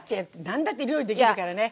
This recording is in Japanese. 何だって料理できるからね。